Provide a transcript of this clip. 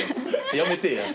やめてや。